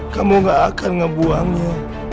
kamu gak akan ngebuangnya